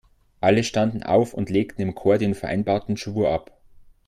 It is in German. Alle standen auf und legten im Chor den vereinbarten Schwur ab.